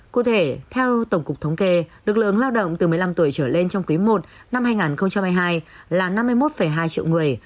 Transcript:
cụ thể theo tổng cục thống kê lực lượng lao động từ một mươi năm tuổi trở lên trong quý i năm hai nghìn hai mươi hai là năm mươi một hai triệu người